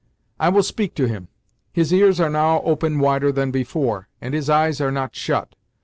I will speak to him; his ears are now open wider than before, and his eyes are not shut.